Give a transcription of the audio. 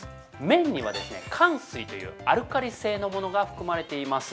麺には、かんすいというアルカリ性のものが含まれています。